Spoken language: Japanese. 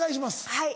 はい。